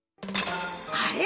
あれ？